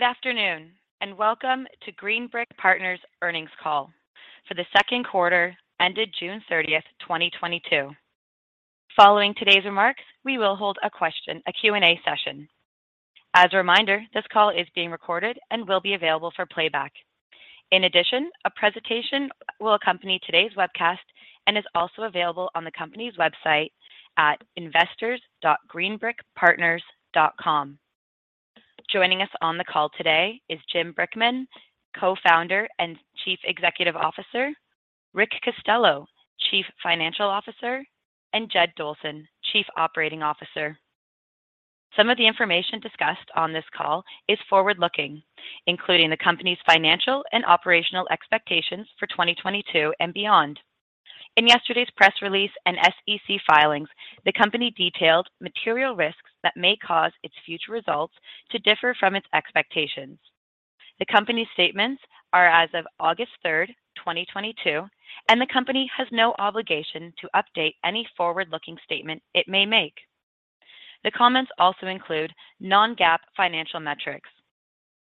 Good afternoon, and welcome to Green Brick Partners earnings call for the second quarter ended June 30th, 2022. Following today's remarks, we will hold a question, a Q&A session. As a reminder, this call is being recorded and will be available for playback. In addition, a presentation will accompany today's webcast and is also available on the company's website at investors.greenbrickpartners.com. Joining us on the call today is Jim Brickman, Co-founder and Chief Executive Officer, Rick Costello, Chief Financial Officer, and Jed Dolson, Chief Operating Officer. Some of the information discussed on this call is forward-looking, including the company's financial and operational expectations for 2022 and beyond. In yesterday's press release and SEC filings, the company detailed material risks that may cause its future results to differ from its expectations. The company's statements are as of August 3rd, 2022, and the company has no obligation to update any forward-looking statement it may make. The comments also include non-GAAP financial metrics.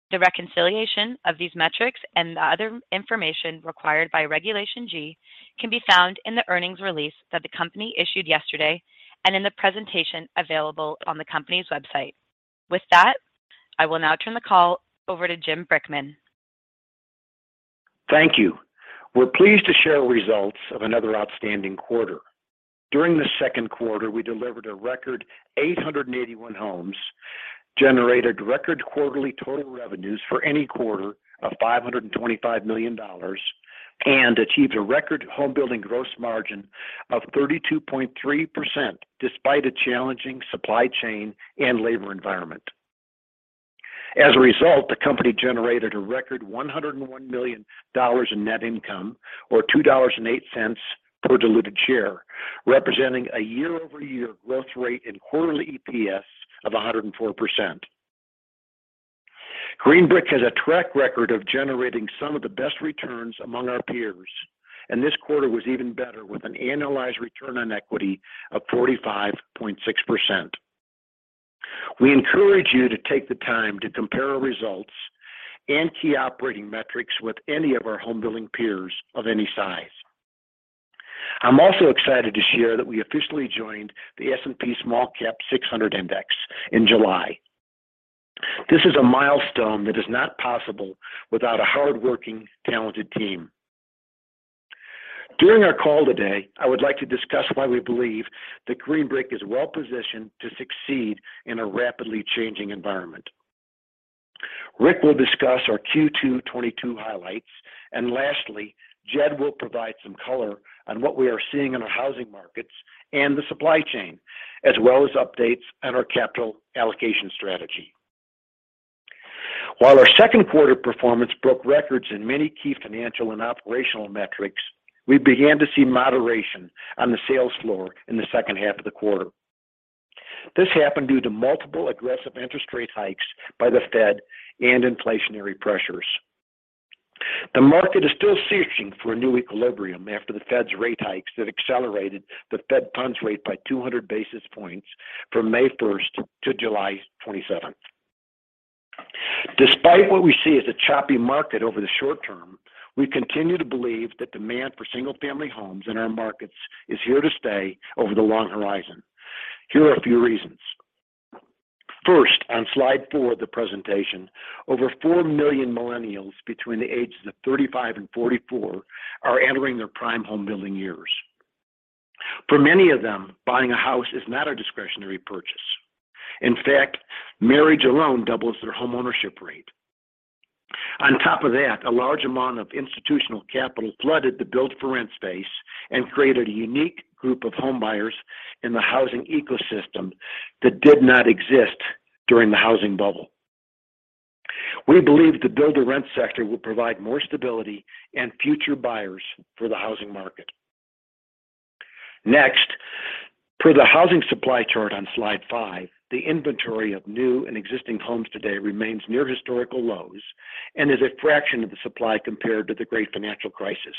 The reconciliation of these metrics and the other information required by Regulation G can be found in the earnings release that the company issued yesterday and in the presentation available on the company's website. With that, I will now turn the call over to Jim Brickman. Thank you. We're pleased to share results of another outstanding quarter. During the second quarter, we delivered a record 881 homes, generated record quarterly total revenues for any quarter of $525 million, and achieved a record home building gross margin of 32.3% despite a challenging supply chain and labor environment. As a result, the company generated a record $101 million in net income, or $2.08 per diluted share, representing a year-over-year growth rate in quarterly EPS of 104%. Green Brick has a track record of generating some of the best returns among our peers, and this quarter was even better with an annualized return on equity of 45.6%. We encourage you to take the time to compare our results and key operating metrics with any of our home-building peers of any size. I'm also excited to share that we officially joined the S&P SmallCap 600 index in July. This is a milestone that is not possible without a hardworking, talented team. During our call today, I would like to discuss why we believe that Green Brick is well-positioned to succeed in a rapidly changing environment. Rick will discuss our Q2 2022 highlights, and lastly, Jed will provide some color on what we are seeing in our housing markets and the supply chain, as well as updates on our capital allocation strategy. While our second quarter performance broke records in many key financial and operational metrics, we began to see moderation on the sales floor in the second half of the quarter. This happened due to multiple aggressive interest rate hikes by the Fed and inflationary pressures. The market is still searching for a new equilibrium after the Fed's rate hikes that accelerated the Fed funds rate by 200 basis points from May 1st to July 27th. Despite what we see as a choppy market over the short term, we continue to believe that demand for single-family homes in our markets is here to stay over the long horizon. Here are a few reasons. First, on slide four of the presentation, over 4 million millennials between the ages of 35 and 44 are entering their prime homebuilding years. For many of them, buying a house is not a discretionary purchase. In fact, marriage alone doubles their homeownership rate. On top of that, a large amount of institutional capital flooded the build-to-rent space and created a unique group of home buyers in the housing ecosystem that did not exist during the housing bubble. We believe the build-to-rent sector will provide more stability and future buyers for the housing market. Next, per the housing supply chart on slide five, the inventory of new and existing homes today remains near historical lows and is a fraction of the supply compared to the great financial crisis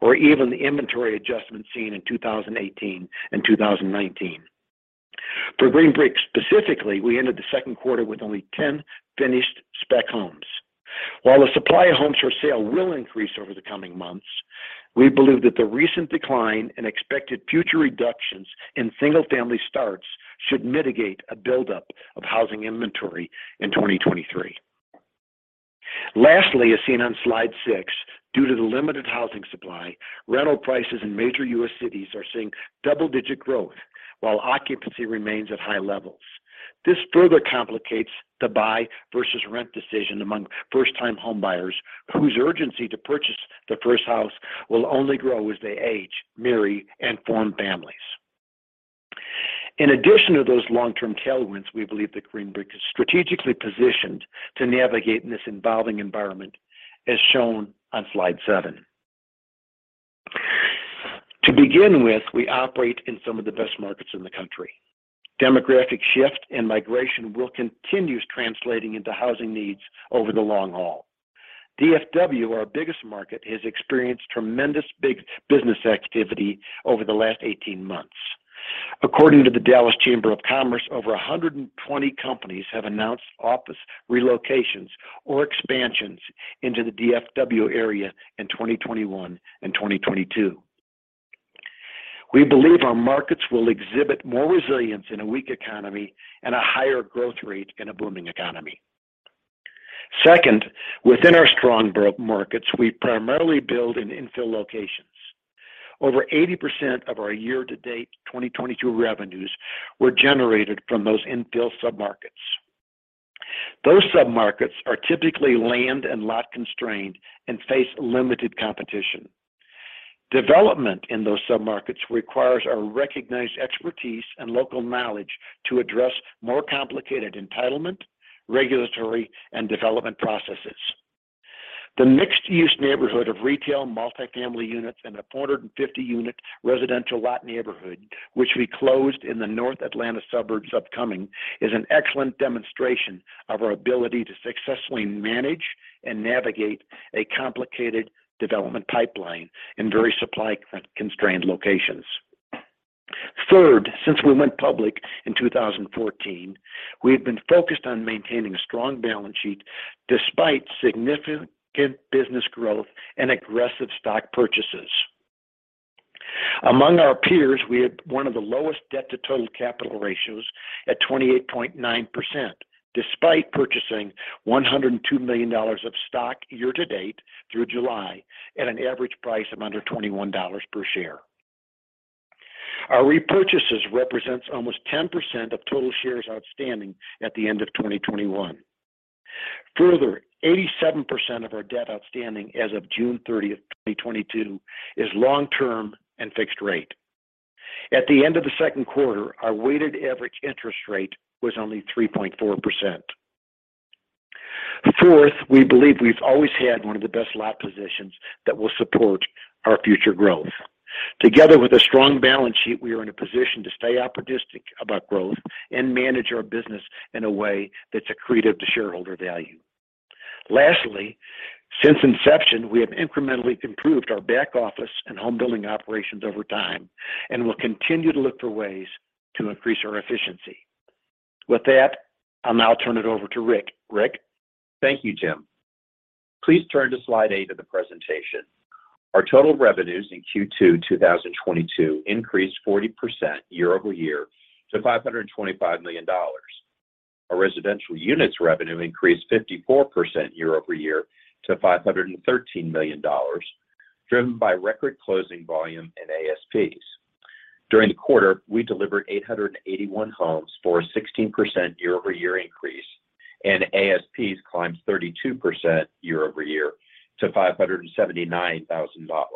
or even the inventory adjustment seen in 2018 and 2019. For Green Brick specifically, we ended the second quarter with only 10 finished spec homes. While the supply of homes for sale will increase over the coming months, we believe that the recent decline in expected future reductions in single-family starts should mitigate a buildup of housing inventory in 2023. Lastly, as seen on slide six, due to the limited housing supply, rental prices in major U.S. cities are seeing double-digit growth while occupancy remains at high levels. This further complicates the buy versus rent decision among first-time home buyers whose urgency to purchase their first house will only grow as they age, marry, and form families. In addition to those long-term tailwinds, we believe that Green Brick is strategically positioned to navigate in this evolving environment, as shown on slide seven. To begin with, we operate in some of the best markets in the country. Demographic shift and migration will continue translating into housing needs over the long haul. DFW, our biggest market, has experienced tremendous big business activity over the last 18 months. According to the Dallas Regional Chamber, over 120 companies have announced office relocations or expansions into the DFW area in 2021 and 2022. We believe our markets will exhibit more resilience in a weak economy and a higher growth rate in a booming economy. Second, within our strong markets, we primarily build in infill locations. Over 80% of our year-to-date 2022 revenues were generated from those infill submarkets. Those submarkets are typically land and lot constrained and face limited competition. Development in those submarkets requires our recognized expertise and local knowledge to address more complicated entitlement, regulatory, and development processes. The mixed-use neighborhood of retail multifamily units and a 450-unit residential lot neighborhood, which we closed in the North Atlanta suburbs of Cumming, is an excellent demonstration of our ability to successfully manage and navigate a complicated development pipeline in very supply-constrained locations. Third, since we went public in 2014, we have been focused on maintaining a strong balance sheet despite significant business growth and aggressive stock purchases. Among our peers, we had one of the lowest debt to total capital ratios at 28.9% despite purchasing $102 million of stock year to date through July at an average price of under $21 per share. Our repurchases represents almost 10% of total shares outstanding at the end of 2021. Further, 87% of our debt outstanding as of June 30th, 2022, is long-term and fixed rate. At the end of the second quarter, our weighted average interest rate was only 3.4%. Fourth, we believe we've always had one of the best lot positions that will support our future growth. Together with a strong balance sheet, we are in a position to stay opportunistic about growth and manage our business in a way that's accretive to shareholder value. Lastly, since inception, we have incrementally improved our back office and home building operations over time and will continue to look for ways to increase our efficiency. With that, I'll now turn it over to Rick. Rick. Thank you, Jim. Please turn to slide eight of the presentation. Our total revenues in Q2 2022 increased 40% year-over-year to $525 million. Our residential units revenue increased 54% year-over-year to $513 million, driven by record closing volume and ASPs. During the quarter, we delivered 881 homes for a 16% year-over-year increase, and ASPs climbed 32% year-over-year to $579,000.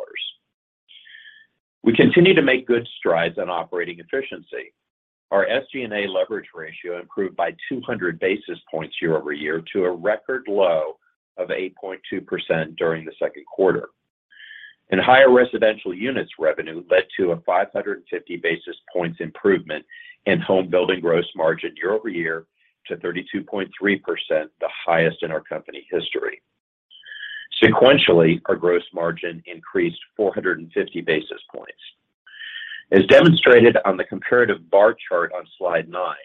We continue to make good strides on operating efficiency. Our SG&A leverage ratio improved by 200 basis points year-over-year to a record low of 8.2% during the second quarter. Higher residential units revenue led to a 550 basis points improvement in home building gross margin year-over-year to 32.3%, the highest in our company history. Sequentially, our gross margin increased 450 basis points. As demonstrated on the comparative bar chart on slide nine,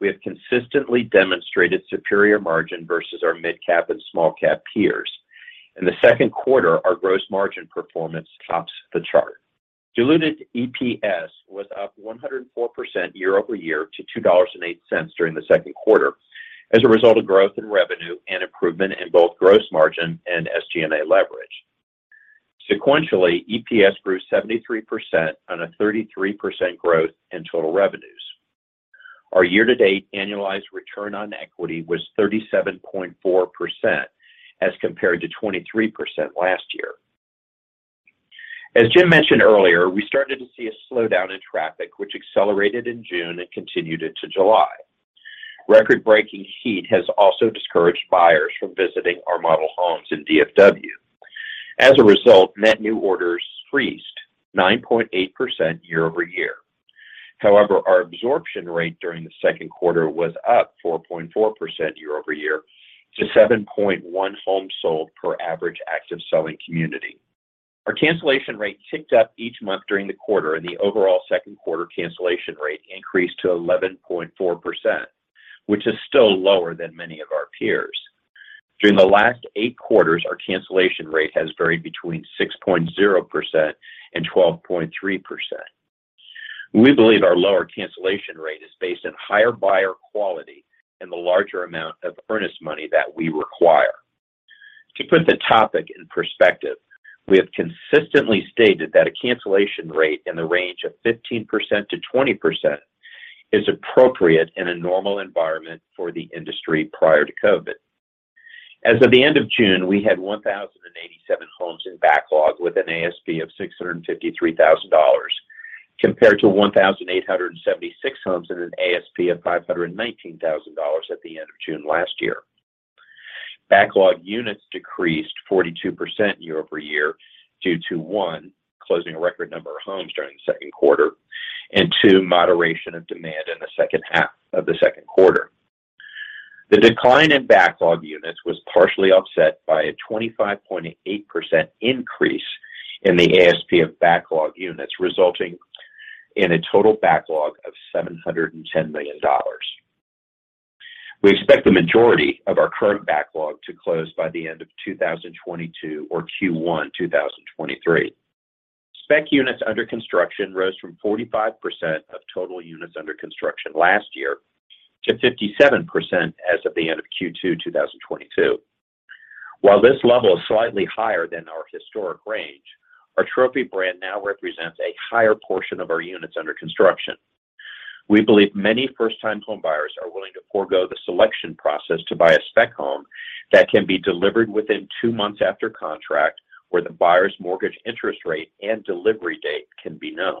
we have consistently demonstrated superior margin versus our midcap and small cap peers. In the second quarter, our gross margin performance tops the chart. Diluted EPS was up 104% year-over-year to $2.08 during the second quarter as a result of growth in revenue and improvement in both gross margin and SG&A leverage. Sequentially, EPS grew 73% on a 33% growth in total revenues. Our year-to-date annualized return on equity was 37.4% as compared to 23% last year. As Jim mentioned earlier, we started to see a slowdown in traffic, which accelerated in June and continued into July. Record-breaking heat has also discouraged buyers from visiting our model homes in DFW. As a result, net new orders increased 9.8% year-over-year. However, our absorption rate during the second quarter was up 4.4% year-over-year to 7.1 homes sold per average active selling community. Our cancellation rate ticked up each month during the quarter, and the overall second quarter cancellation rate increased to 11.4%, which is still lower than many of our peers. During the last eight quarters, our cancellation rate has varied between 6.0% and 12.3%. We believe our lower cancellation rate is based on higher buyer quality and the larger amount of earnest money that we require. To put the topic in perspective, we have consistently stated that a cancellation rate in the range of 15%-20% is appropriate in a normal environment for the industry prior to COVID. As of the end of June, we had 1,087 homes in backlog with an ASP of $653,000 compared to 1,876 homes at an ASP of $519,000 at the end of June last year. Backlog units decreased 42% year-over-year due to, one, closing a record number of homes during the second quarter, and two, moderation of demand in the second half of the second quarter. The decline in backlog units was partially offset by a 25.8% increase in the ASP of backlog units, resulting in a total backlog of $710 million. We expect the majority of our current backlog to close by the end of 2022 or Q1 2023. Spec units under construction rose from 45% of total units under construction last year to 57% as of the end of Q2 2022. While this level is slightly higher than our historic range, our Trophy brand now represents a higher portion of our units under construction. We believe many first-time home buyers are willing to forego the selection process to buy a spec home that can be delivered within two months after contract, where the buyer's mortgage interest rate and delivery date can be known.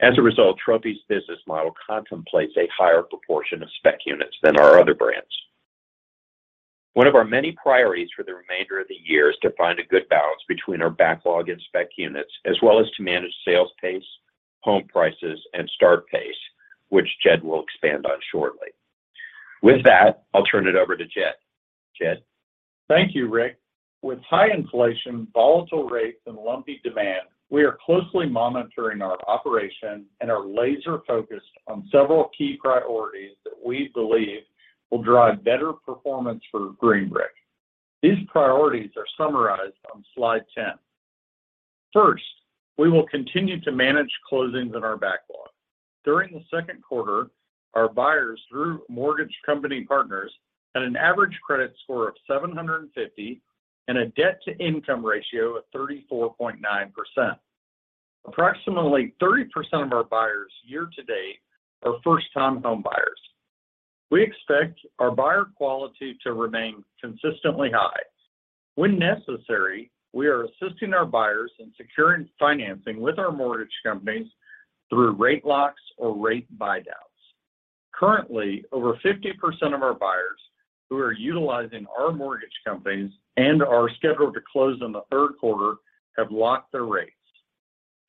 As a result, Trophy's business model contemplates a higher proportion of spec units than our other brands. One of our many priorities for the remainder of the year is to find a good balance between our backlog and spec units, as well as to manage sales pace, home prices, and start pace, which Jed will expand on shortly. With that, I'll turn it over to Jed. Jed. Thank you, Rick. With high inflation, volatile rates, and lumpy demand, we are closely monitoring our operation and are laser-focused on several key priorities that we believe will drive better performance for Green Brick. These priorities are summarized on slide 10. First, we will continue to manage closings in our backlog. During the second quarter, our buyers, through mortgage company partners, had an average credit score of 750 and a debt-to-income ratio of 34.9%. Approximately 30% of our buyers year to date are first-time home buyers. We expect our buyer quality to remain consistently high. When necessary, we are assisting our buyers in securing financing with our mortgage companies through rate locks or rate buyouts. Currently, over 50% of our buyers who are utilizing our mortgage companies and are scheduled to close in the third quarter have locked their rates.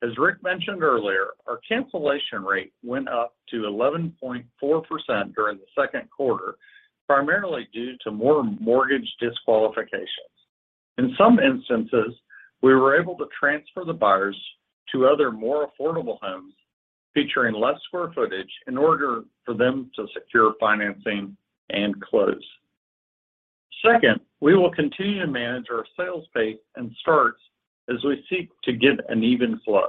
As Rick mentioned earlier, our cancellation rate went up to 11.4% during the second quarter, primarily due to more mortgage disqualifications. In some instances, we were able to transfer the buyers to other more affordable homes featuring less square footage in order for them to secure financing and close. Second, we will continue to manage our sales pace and starts as we seek to get an even flow.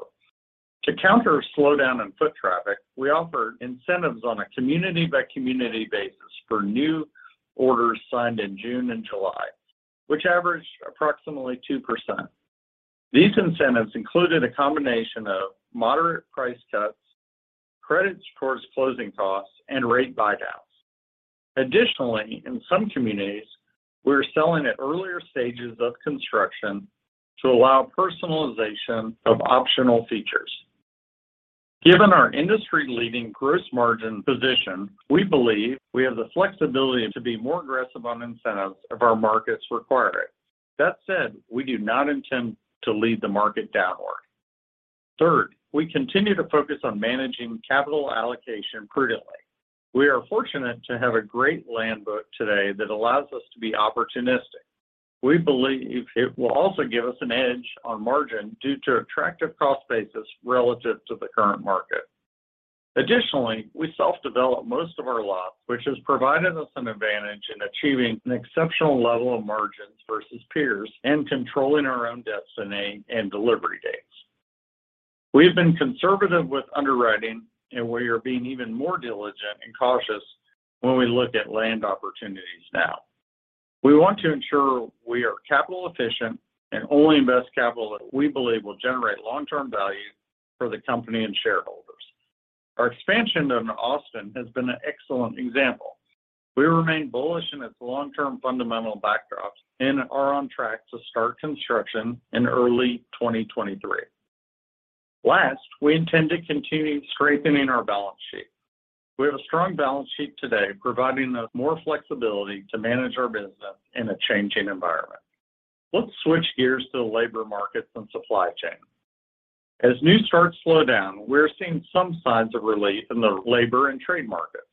To counter a slowdown in foot traffic, we offer incentives on a community-by-community basis for new orders signed in June and July, which averaged approximately 2%. These incentives included a combination of moderate price cuts, credits towards closing costs, and rate buyouts. Additionally, in some communities, we're selling at earlier stages of construction to allow personalization of optional features. Given our industry-leading gross margin position, we believe we have the flexibility to be more aggressive on incentives if our markets require it. That said, we do not intend to lead the market downward. Third, we continue to focus on managing capital allocation prudently. We are fortunate to have a great land book today that allows us to be opportunistic. We believe it will also give us an edge on margin due to attractive cost basis relative to the current market. Additionally, we self-develop most of our lots, which has provided us an advantage in achieving an exceptional level of margins versus peers and controlling our own destiny and delivery dates. We have been conservative with underwriting, and we are being even more diligent and cautious when we look at land opportunities now. We want to ensure we are capital efficient and only invest capital that we believe will generate long-term value for the company and shareholders. Our expansion into Austin has been an excellent example. We remain bullish in its long-term fundamental backdrops and are on track to start construction in early 2023. Last, we intend to continue strengthening our balance sheet. We have a strong balance sheet today, providing us more flexibility to manage our business in a changing environment. Let's switch gears to labor markets and supply chain. As new starts slow down, we're seeing some signs of relief in the labor and trade markets.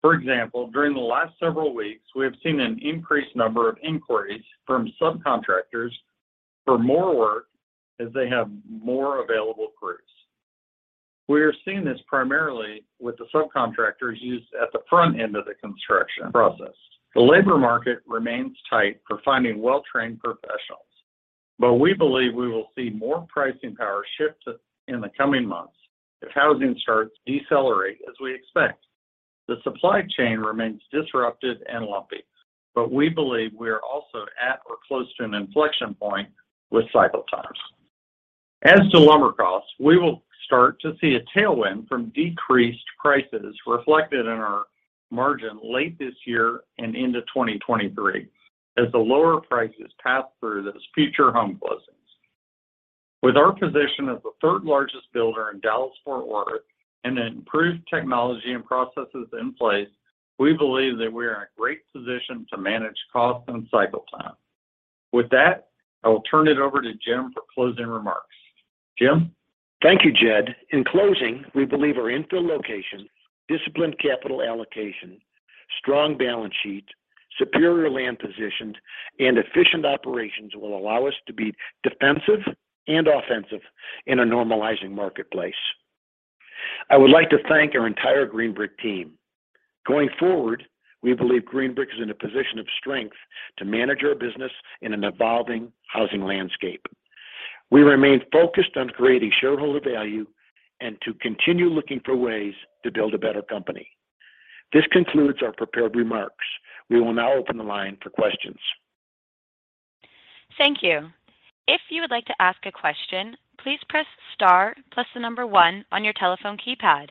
For example, during the last several weeks, we have seen an increased number of inquiries from subcontractors for more work as they have more available crews. We are seeing this primarily with the subcontractors used at the front end of the construction process. The labor market remains tight for finding well-trained professionals, but we believe we will see more pricing power shift in the coming months if housing starts decelerate as we expect. The supply chain remains disrupted and lumpy, but we believe we are also at or close to an inflection point with cycle times. As to lumber costs, we will start to see a tailwind from decreased prices reflected in our margin late this year and into 2023 as the lower prices pass through those future home closings. With our position as the third-largest builder in Dallas-Fort Worth and improved technology and processes in place, we believe that we are in a great position to manage costs and cycle times. With that, I will turn it over to Jim for closing remarks. Jim? Thank you, Jed. In closing, we believe our infill location, disciplined capital allocation, strong balance sheet, superior land positions, and efficient operations will allow us to be defensive and offensive in a normalizing marketplace. I would like to thank our entire Green Brick team. Going forward, we believe Green Brick is in a position of strength to manage our business in an evolving housing landscape. We remain focused on creating shareholder value and to continue looking for ways to build a better company. This concludes our prepared remarks. We will now open the line for questions. Thank you. If you would like to ask a question, please press star plus the number one on your telephone keypad.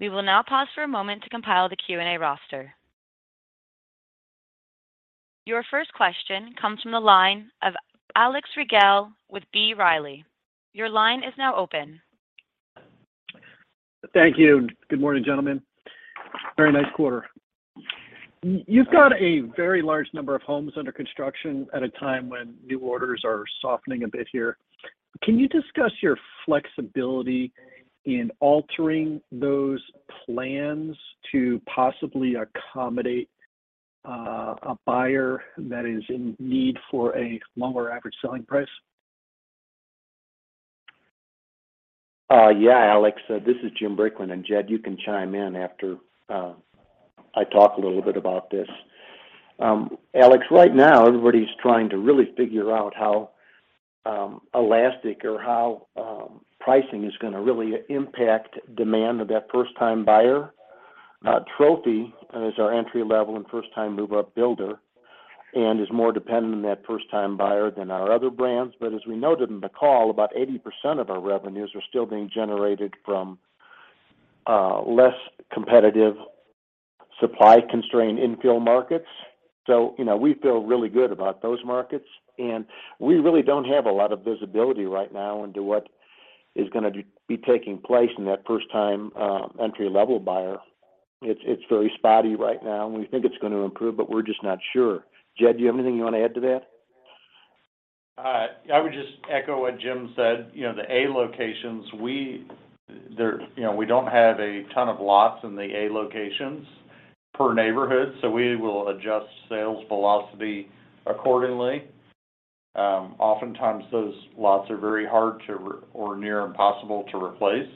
We will now pause for a moment to compile the Q&A roster. Your first question comes from the line of Alex Rygiel with B. Riley. Your line is now open. Thank you. Good morning, gentlemen. Very nice quarter. You've got a very large number of homes under construction at a time when new orders are softening a bit here. Can you discuss your flexibility in altering those plans to possibly accommodate a buyer that is in need for a lower average selling price? Yeah, Alex. This is Jim Brickman. Jed, you can chime in after I talk a little bit about this. Alex, right now, everybody's trying to really figure out how elastic or how pricing is gonna really impact demand of that first-time buyer. Trophy is our entry-level and first-time move-up builder and is more dependent on that first-time buyer than our other brands. As we noted in the call, about 80% of our revenues are still being generated from less competitive supply-constrained infill markets. You know, we feel really good about those markets, and we really don't have a lot of visibility right now into what is gonna be taking place in that first-time entry-level buyer. It's very spotty right now, and we think it's gonna improve, but we're just not sure. Jed, do you have anything you want to add to that? I would just echo what Jim said. You know, the A locations. You know, we don't have a ton of lots in the A locations per neighborhood, so we will adjust sales velocity accordingly. Oftentimes, those lots are very hard to replace or near impossible to replace.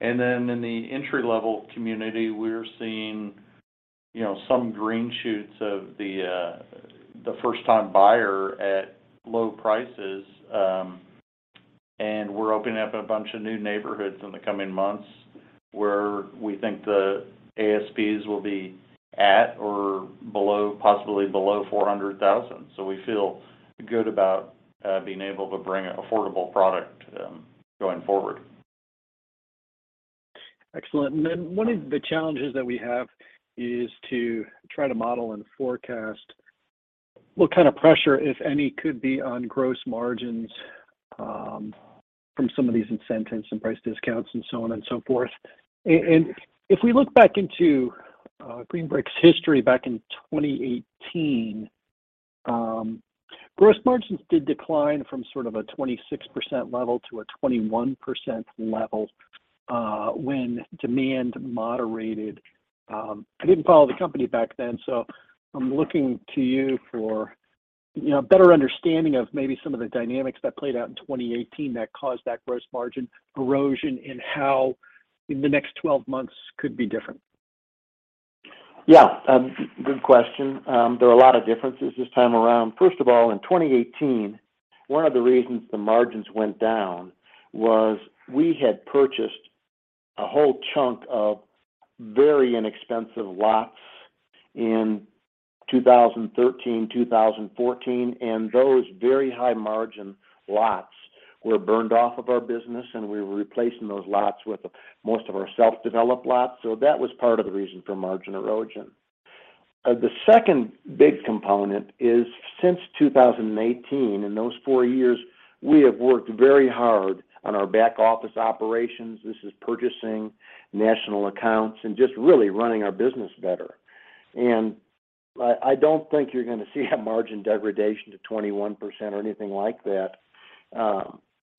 In the entry-level community, we're seeing, you know, some green shoots of the first-time buyer at low prices. We're opening up a bunch of new neighborhoods in the coming months where we think the ASPs will be at or below, possibly below $400,000. We feel good about being able to bring an affordable product to them going forward. Excellent. One of the challenges that we have is to try to model and forecast what kind of pressure, if any, could be on gross margins from some of these incentives and price discounts and so on and so forth. If we look back into Green Brick's history back in 2018, gross margins did decline from sort of a 26% level to a 21% level when demand moderated. I didn't follow the company back then, so I'm looking to you for, you know, a better understanding of maybe some of the dynamics that played out in 2018 that caused that gross margin erosion and how in the next twelve months could be different? Yeah. Good question. There are a lot of differences this time around. First of all, in 2018, one of the reasons the margins went down was we had purchased a whole chunk of very inexpensive lots in 2013, 2014, and those very high-margin lots were burned off of our business, and we were replacing those lots with most of our self-developed lots. So that was part of the reason for margin erosion. The second big component is since 2018, in those four years, we have worked very hard on our back-office operations. This is purchasing national accounts and just really running our business better. I don't think you're gonna see a margin degradation to 21% or anything like that,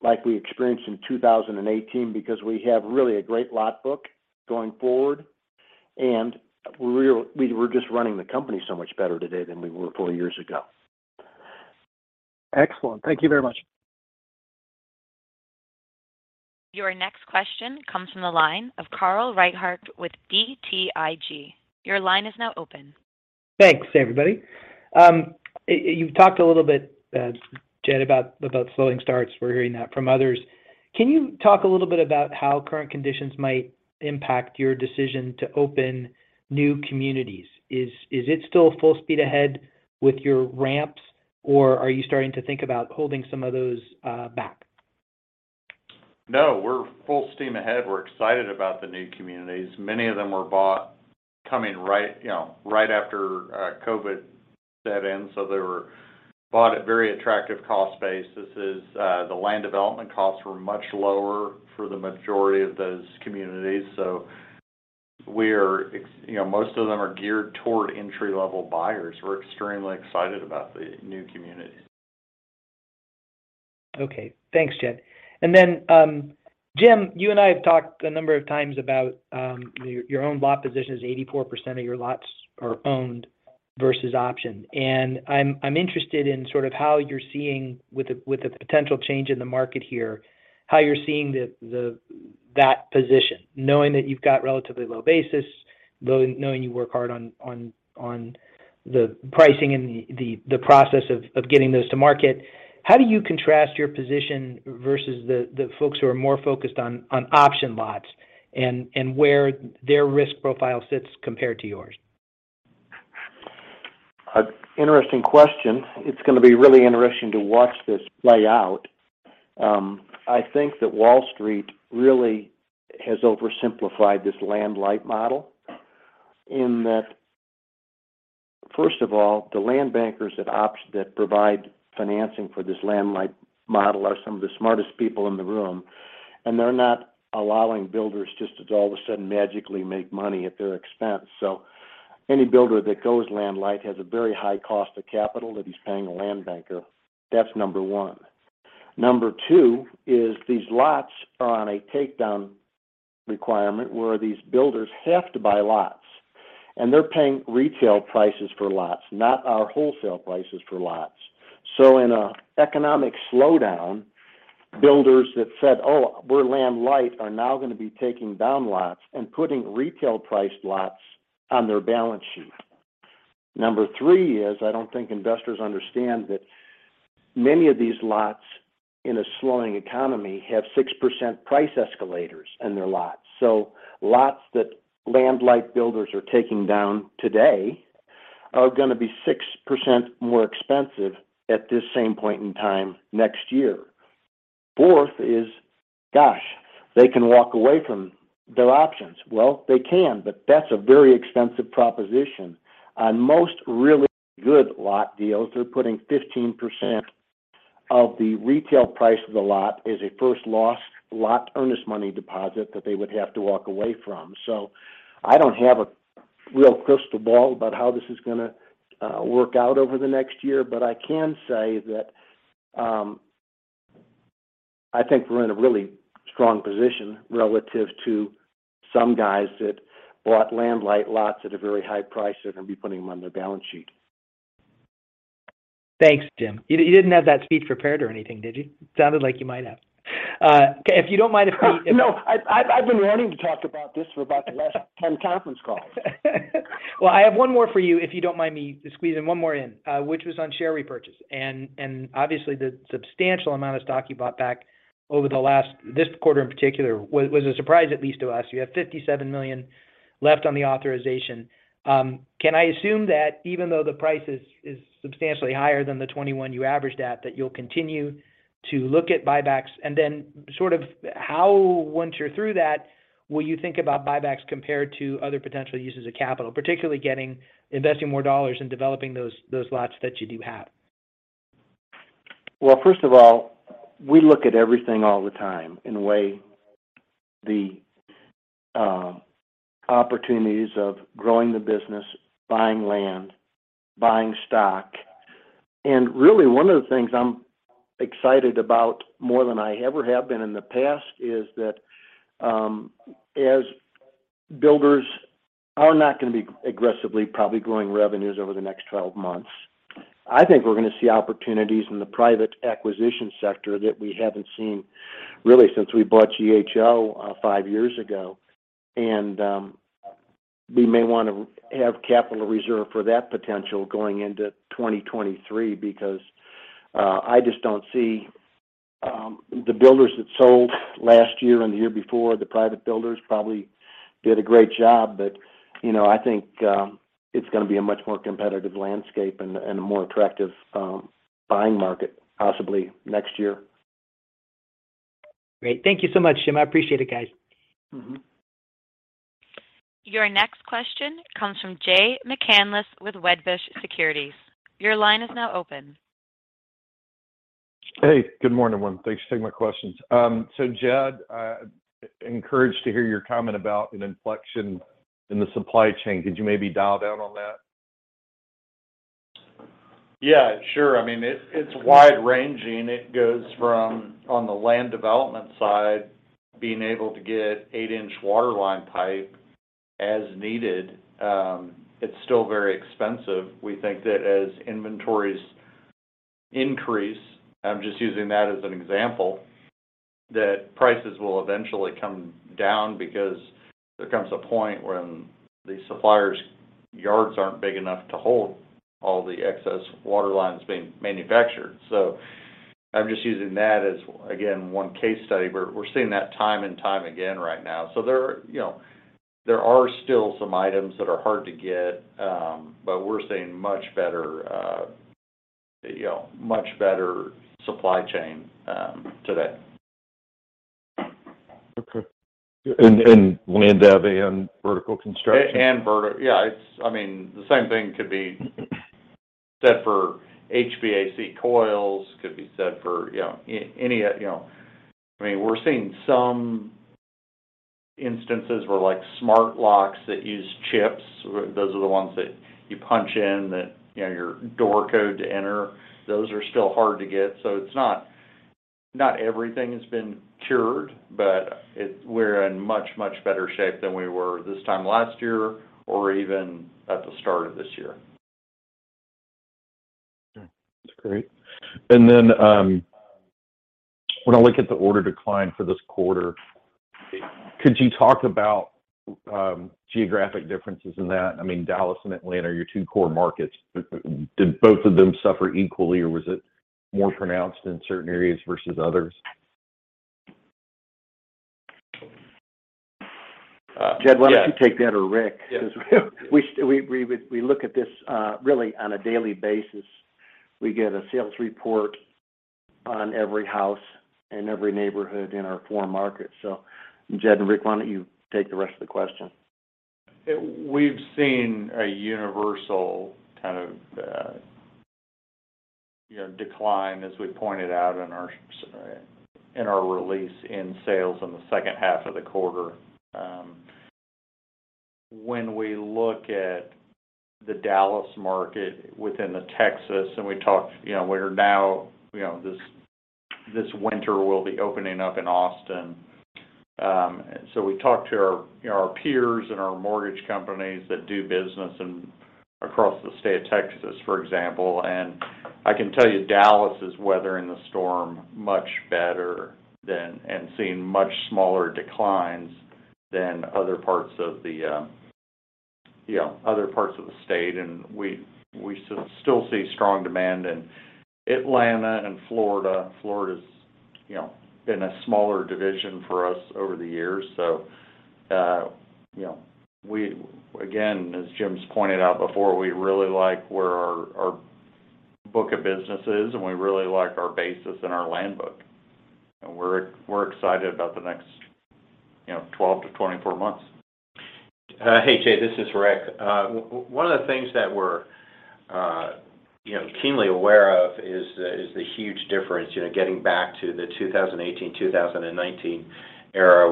like we experienced in 2018 because we have really a great lot book going forward, and we're just running the company so much better today than we were four years ago. Excellent. Thank you very much. Your next question comes from the line of Carl Reichardt with BTIG. Your line is now open. Thanks, everybody. You've talked a little bit, Jed, about slowing starts. We're hearing that from others. Can you talk a little bit about how current conditions might impact your decision to open new communities? Is it still full speed ahead with your ramps, or are you starting to think about holding some of those back? No, we're full steam ahead. We're excited about the new communities. Many of them were bought, you know, right after COVID set in, so they were bought at very attractive cost basis. The land development costs were much lower for the majority of those communities. You know, most of them are geared toward entry-level buyers. We're extremely excited about the new community. Okay. Thanks, Jed. Jim, you and I have talked a number of times about your own lot positions. 84% of your lots are owned versus optioned. I'm interested in sort of how you're seeing with the potential change in the market here, how you're seeing that position knowing that you've got relatively low basis, though knowing you work hard on the pricing and the process of getting those to market. How do you contrast your position versus the folks who are more focused on option lots and where their risk profile sits compared to yours? An interesting question. It's gonna be really interesting to watch this play out. I think that Wall Street really has oversimplified this land light model in that, first of all, the land bankers that provide financing for this land light model are some of the smartest people in the room, and they're not allowing builders just to all of a sudden magically make money at their expense. Any builder that goes land light has a very high cost of capital that he's paying a land banker. That's number one. Number two is these lots are on a takedown requirement where these builders have to buy lots, and they're paying retail prices for lots, not our wholesale prices for lots. In an economic slowdown, builders that said, "Oh, we're land light," are now gonna be taking down lots and putting retail priced lots on their balance sheet. Number three is, I don't think investors understand that many of these lots in a slowing economy have 6% price escalators in their lots. Lots that land light builders are taking down today are gonna be 6% more expensive at this same point in time next year. Fourth is, gosh, they can walk away from their options. Well, they can, but that's a very expensive proposition. On most really good lot deals, they're putting 15% of the retail price of the lot as a first loss lot earnest money deposit that they would have to walk away from. I don't have a real crystal ball about how this is gonna work out over the next year, but I can say that I think we're in a really strong position relative to some guys that bought land light lots at a very high price. They're gonna be putting them on their balance sheet. Thanks, Jim. You didn't have that speech prepared or anything, did you? Sounded like you might have. If you don't mind if we- No, I've been wanting to talk about this for about the last 10 conference calls. Well, I have one more for you, if you don't mind me squeezing one more in, which was on share repurchase and obviously the substantial amount of stock you bought back over the last, this quarter in particular was a surprise, at least to us. You have $57 million left on the authorization. Can I assume that even though the price is substantially higher than the $21 you averaged at, that you'll continue to look at buybacks? Then sort of how, once you're through that, will you think about buybacks compared to other potential uses of capital, particularly getting, investing more dollars and developing those lots that you do have? Well, first of all, we look at everything all the time in a way, the opportunities of growing the business, buying land, buying stock. Really one of the things I'm excited about more than I ever have been in the past is that, as builders are not gonna be aggressively probably growing revenues over the next 12 months, I think we're gonna see opportunities in the private acquisition sector that we haven't seen really since we bought GHO, five years ago. We may want to have capital reserve for that potential going into 2023 because, I just don't see, the builders that sold last year and the year before, the private builders probably did a great job. You know, I think it's gonna be a much more competitive landscape and a more attractive buying market possibly next year. Great. Thank you so much, Jim. I appreciate it, guys. Mm-hmm. Your next question comes from Jay McCanless with Wedbush Securities. Your line is now open. Hey, good morning, everyone. Thanks for taking my questions. Jed, encouraged to hear your comment about an inflection in the supply chain. Could you maybe drill down on that? Yeah, sure. I mean, it's wide ranging. It goes from on the land development side, being able to get 8-inch waterline pipe as needed. It's still very expensive. We think that as inventories increase, I'm just using that as an example, that prices will eventually come down because there comes a point when the suppliers' yards aren't big enough to hold all the excess water lines being manufactured. I'm just using that as, again, one case study. We're seeing that time and time again right now. There are, you know, still some items that are hard to get. But we're seeing much better, you know, much better supply chain today. Okay. In land dev and vertical construction? Yeah, it's. I mean, the same thing could be Said for HVAC coils, could be said for, you know, any of, you know. I mean, we're seeing some instances where, like, smart locks that use chips, those are the ones that you punch in that, you know, your door code to enter, those are still hard to get. So it's not everything has been cured, but we're in much, much better shape than we were this time last year or even at the start of this year. Okay. That's great. When I look at the order decline for this quarter, could you talk about geographic differences in that? I mean, Dallas and Atlanta are your two core markets. Did both of them suffer equally, or was it more pronounced in certain areas versus others? Yeah. Jed, why don't you take that, or Rick? Yeah. We look at this really on a daily basis. We get a sales report on every house and every neighborhood in our four markets. Jed and Rick, why don't you take the rest of the question? We've seen a universal kind of decline as we pointed out in our release in sales in the second half of the quarter. When we look at the Dallas market within Texas, and we talked. We're now, this winter we'll be opening up in Austin. We talked to our peers and our mortgage companies that do business across the state of Texas, for example. I can tell you, Dallas is weathering the storm much better than, and seeing much smaller declines than other parts of the state. We still see strong demand in Atlanta and Florida. Florida's been a smaller division for us over the years. Again, as Jim's pointed out before, we really like where our book of business is, and we really like our basis and our land bank. We're excited about the next, you know, 12 months-24 months. Hey, Jay, this is Rick. One of the things that we're, you know, keenly aware of is the huge difference, you know, getting back to the 2018, 2019 era,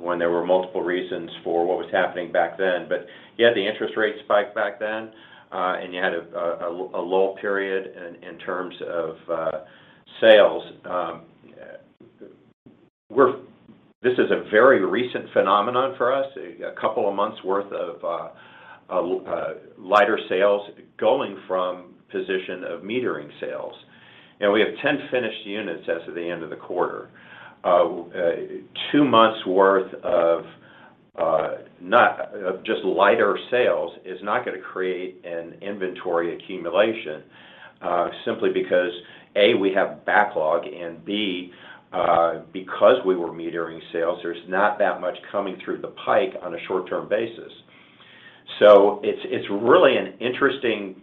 when there were multiple reasons for what was happening back then. You had the interest rate spike back then, and you had a lull period in terms of sales. This is a very recent phenomenon for us, a couple of months worth of lighter sales going from position of metering sales. You know, we have 10 finished units as of the end of the quarter. Two months' worth of just lighter sales is not gonna create an inventory accumulation, simply because, A, we have backlog, and B, because we were metering sales, there's not that much coming down the pike on a short-term basis. It's really an interesting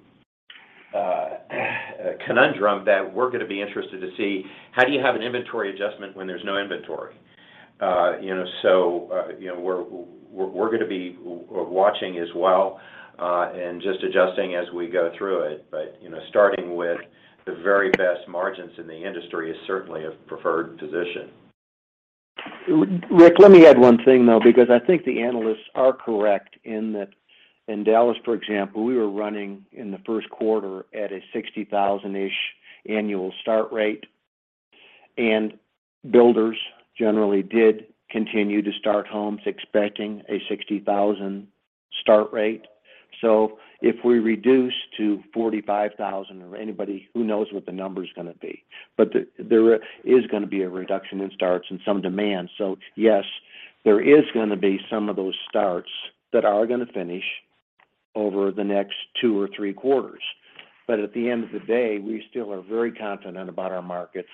conundrum that we're gonna be interested to see, how do you have an inventory adjustment when there's no inventory? You know, we're gonna be watching as well and just adjusting as we go through it. You know, starting with the very best margins in the industry is certainly a preferred position. Rick, let me add one thing, though, because I think the analysts are correct in that in Dallas, for example, we were running in the first quarter at a 60,000-ish annual start rate, and builders generally did continue to start homes expecting a 60,000 start rate. If we reduce to 45,000 or anybody, who knows what the number's gonna be. There is gonna be a reduction in starts and some demand. Yes, there is gonna be some of those starts that are gonna finish over the next two or three quarters. At the end of the day, we still are very confident about our markets.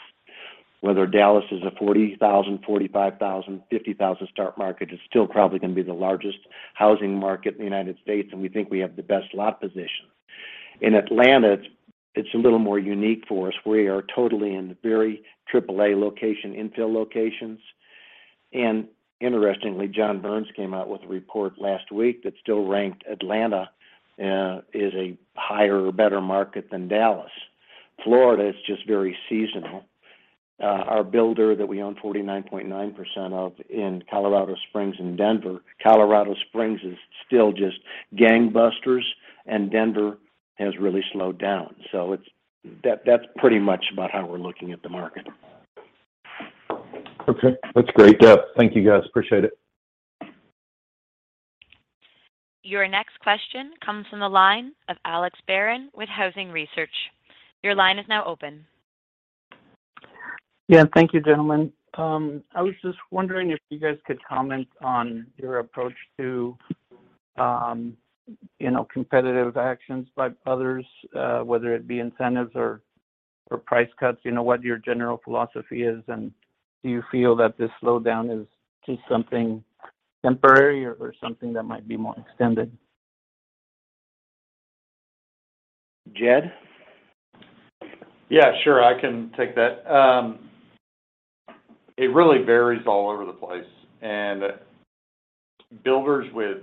Whether Dallas is a 40,000, 45,000, 50,000 start market, it's still probably gonna be the largest housing market in the United States, and we think we have the best lot position. In Atlanta, it's a little more unique for us. We are totally in very triple-A locations, infill locations. Interestingly, John Burns came out with a report last week that still ranked Atlanta as a higher or better market than Dallas. Florida is just very seasonal. Our builder that we own 49.9% of in Colorado Springs and Denver, Colorado Springs is still just gangbusters, and Denver has really slowed down. That's pretty much about how we're looking at the market. Okay. That's great. Yeah. Thank you, guys. Appreciate it. Your next question comes from the line of Alex Barron with Housing Research. Your line is now open. Yeah. Thank you, gentlemen. I was just wondering if you guys could comment on your approach to, you know, competitive actions by others, whether it be incentives or price cuts. You know, what your general philosophy is, and do you feel that this slowdown is just something temporary or something that might be more extended? Jed? Yeah, sure. I can take that. It really varies all over the place, and builders with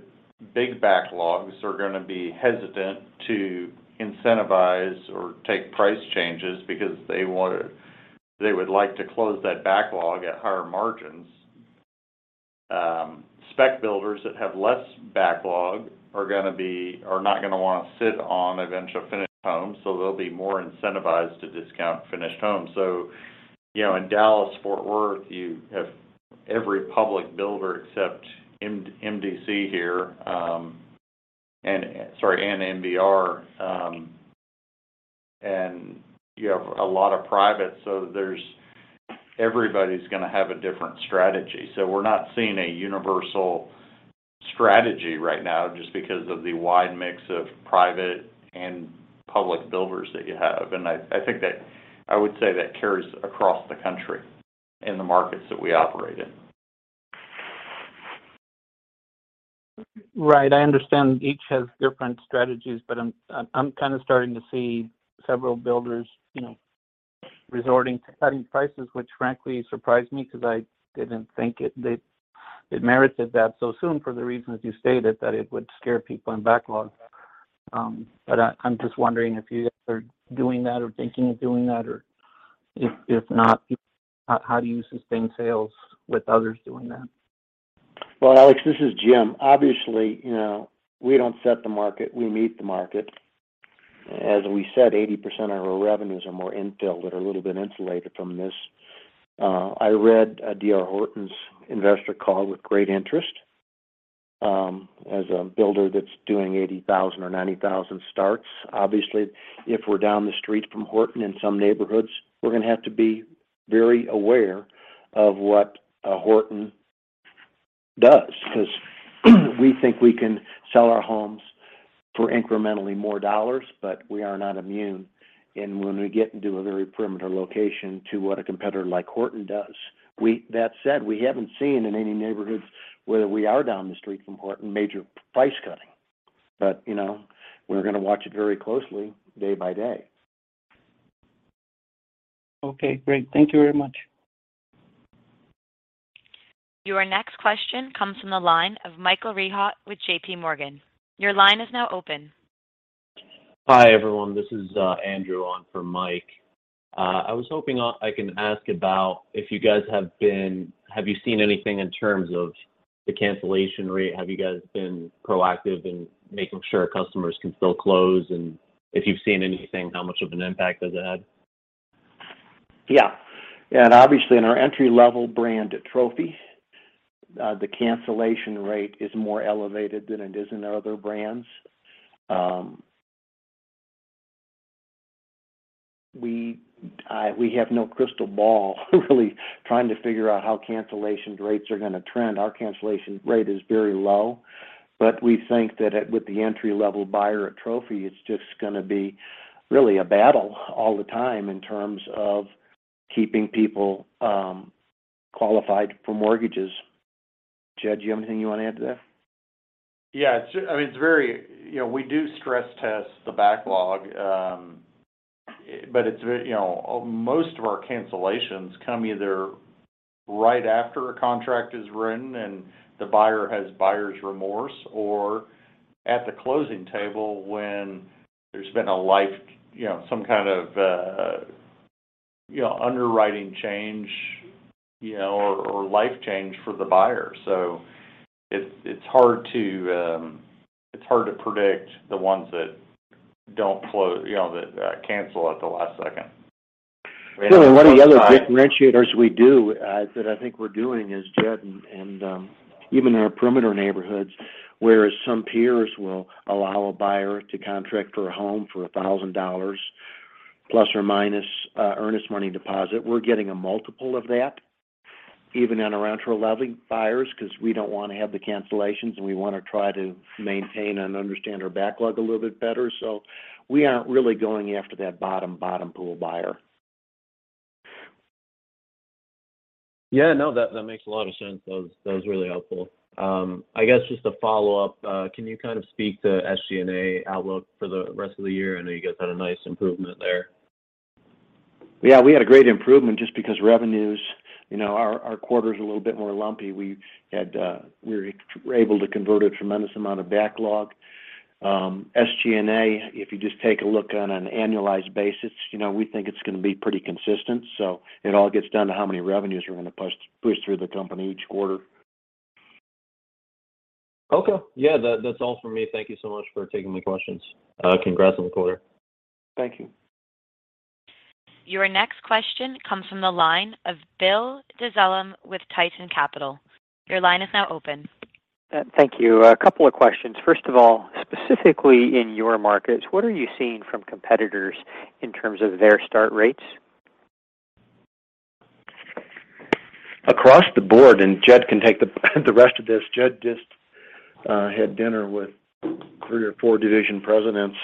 big backlogs are gonna be hesitant to incentivize or take price changes because they would like to close that backlog at higher margins. Spec builders that have less backlog are not gonna wanna sit on eventual finished homes, so they'll be more incentivized to discount finished homes. You know, in Dallas-Fort Worth, you have every public builder except MDC. here, and MBR, and you have a lot of private, so everybody's gonna have a different strategy. We're not seeing a universal strategy right now just because of the wide mix of private and public builders that you have. I would say that carries across the country in the markets that we operate in. Right. I understand each has different strategies, but I'm kind of starting to see several builders, you know, resorting to cutting prices, which frankly surprised me because I didn't think it merited that so soon for the reasons you stated that it would scare people in backlog. But I'm just wondering if you guys are doing that or thinking of doing that, or if not, how do you sustain sales with others doing that? Well, Alex, this is Jim. Obviously, you know, we don't set the market, we meet the market. As we said, 80% of our revenues are more infill. They're a little bit insulated from this. I read D.R. Horton's investor call with great interest, as a builder that's doing 80,000 or 90,000 starts. Obviously, if we're down the street from Horton in some neighborhoods, we're gonna have to be very aware of what Horton does 'cause we think we can sell our homes for incrementally more dollars, but we are not immune. When we get into a very similar location to what a competitor like Horton does. That said, we haven't seen in any neighborhoods where we are down the street from Horton major price cutting. You know, we're gonna watch it very closely day by day. Okay, great. Thank you very much. Your next question comes from the line of Michael Rehaut with JPMorgan. Your line is now open. Hi, everyone. This is Andrew on for Mike. Have you seen anything in terms of the cancellation rate? Have you guys been proactive in making sure customers can still close? If you've seen anything, how much of an impact has it had? Yeah. Obviously in our entry-level brand at Trophy, the cancellation rate is more elevated than it is in our other brands. We have no crystal ball really trying to figure out how cancellation rates are gonna trend. Our cancellation rate is very low, but we think that with the entry-level buyer at Trophy, it's just gonna be really a battle all the time in terms of keeping people qualified for mortgages. Jed, do you have anything you wanna add to that? Yeah. It's, I mean, it's very. You know, we do stress test the backlog, but it's very. You know, most of our cancellations come either right after a contract is written and the buyer has buyer's remorse, or at the closing table when there's been a life, you know, some kind of, you know, underwriting change, you know, or life change for the buyer. It's hard to predict the ones that don't close, you know, that cancel at the last second. One of the other differentiators we do that I think we're doing is, Jed, and even in our perimeter neighborhoods, whereas some peers will allow a buyer to contract for a home for $1,000 plus or minus earnest money deposit. We're getting a multiple of that even in our entry-level buyers 'cause we don't wanna have the cancellations. We wanna try to maintain and understand our backlog a little bit better. We aren't really going after that bottom pool buyer. Yeah. No. That makes a lot of sense. That was really helpful. I guess just a follow-up. Can you kind of speak to SG&A outlook for the rest of the year? I know you guys had a nice improvement there. Yeah, we had a great improvement just because revenues, you know, our quarter's a little bit more lumpy. We're able to convert a tremendous amount of backlog. SG&A, if you just take a look on an annualized basis, you know, we think it's gonna be pretty consistent, so it all gets down to how many revenues we're gonna push through the company each quarter. Okay. Yeah. That's all for me. Thank you so much for taking my questions. Congrats on the quarter. Thank you. Your next question comes from the line of Bill Dezellem with Tieton Capital Management. Your line is now open. Thank you. A couple of questions. First of all, specifically in your markets, what are you seeing from competitors in terms of their start rates? Across the board. Jed can take the rest of this. Jed just had dinner with three or four division presidents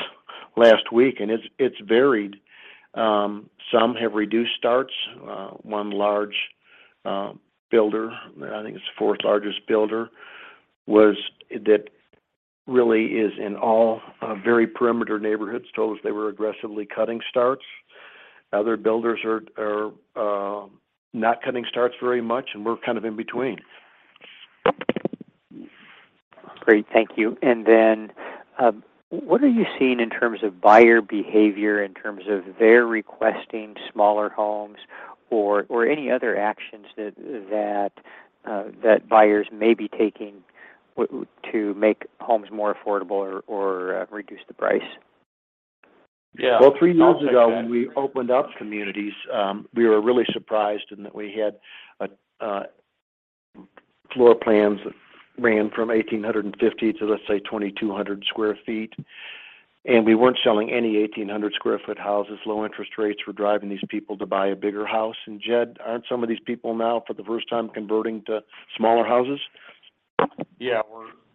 last week, and it's varied. Some have reduced starts. One large builder, I think it's the fourth largest builder, that really is in all very perimeter neighborhoods, told us they were aggressively cutting starts. Other builders are not cutting starts very much, and we're kind of in between. Great. Thank you. What are you seeing in terms of buyer behavior in terms of their requesting smaller homes or any other actions that buyers may be taking to make homes more affordable or reduce the price? Yeah. Well, three years ago when we opened up communities, we were really surprised in that we had floor plans that ran from 1,850 sq ft to, let's say, 2,200 sq ft, and we weren't selling any 1,800 sq ft houses. Low interest rates were driving these people to buy a bigger house. Jed, aren't some of these people now for the first time converting to smaller houses? Yeah.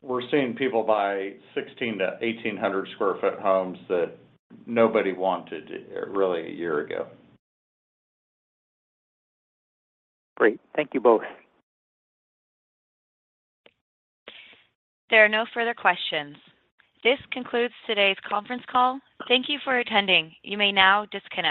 We're seeing people buy 1,600 sq ft-1,800 sq ft homes that nobody wanted really a year ago. Great. Thank you both. There are no further questions. This concludes today's conference call. Thank you for attending. You may now disconnect.